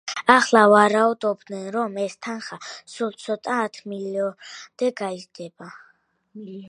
ახლა ვარაუდობენ, რომ ეს თანხა, სულ ცოტა, ათ მილიარდამდე გაიზრდება.